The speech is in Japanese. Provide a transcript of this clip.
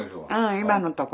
今のところ。